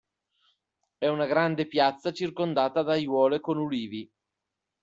È una grande piazza circondata da aiuole con ulivi.